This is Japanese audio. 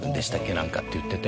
何かっていってて。